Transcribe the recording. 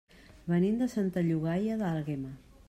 Venim de Santa Llogaia d'Àlguema.